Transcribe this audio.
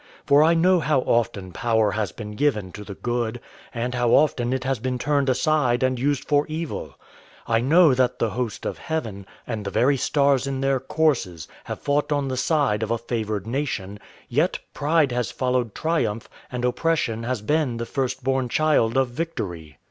For I know how often power has been given to the good, and how often it has been turned aside and used for evil. I know that the host of Heaven, and the very stars in their courses, have fought on the side of a favoured nation; yet pride has followed triumph and oppression has been the first born child of victory.